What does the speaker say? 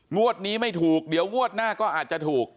งวดนี้ไม่ถูกเดี๋ยวงวดหน้าก็อาจจะถูก